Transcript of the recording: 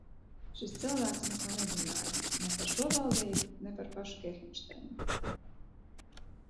Šis cilvēks neko nezināja ne par šo valdību, ne par pašu Kirhenšteinu.